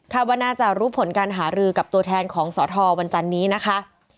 ว่าน่าจะรู้ผลการหารือกับตัวแทนของสทวันจันนี้นะคะ